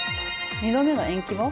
２度目の延期も？